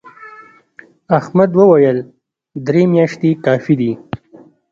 احمد وويل: درې میاشتې کافي دي.